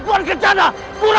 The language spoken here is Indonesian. aku akan menjemputmu